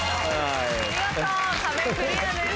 見事壁クリアです。